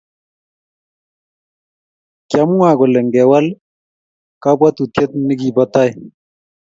Kyamwa kole ngewal kabwatutyet nigibo tai